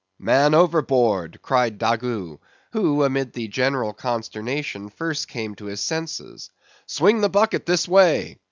"Man overboard!" cried Daggoo, who amid the general consternation first came to his senses. "Swing the bucket this way!"